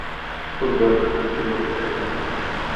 Oswaldo Enrique López Arellano.